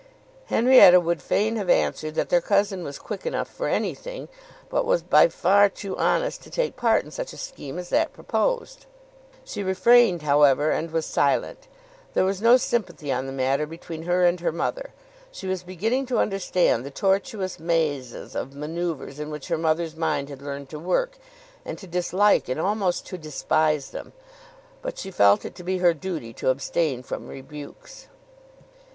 Henrietta would fain have answered that their cousin was quick enough for anything, but was by far too honest to take part in such a scheme as that proposed. She refrained, however, and was silent. There was no sympathy on the matter between her and her mother. She was beginning to understand the tortuous mazes of manoeuvres in which her mother's mind had learned to work, and to dislike and almost to despise them. But she felt it to be her duty to abstain from rebukes.